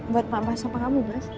bapak sama kamu mas